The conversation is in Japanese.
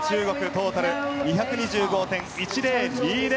トータル２２５．１０２０。